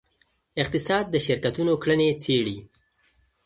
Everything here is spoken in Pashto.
اقتصاد د شرکتونو کړنې څیړي.